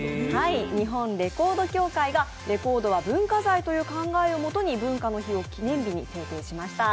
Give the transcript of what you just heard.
日本レコード協会がレコードは文化財という考えを元に文化の日を記念日に制定しました。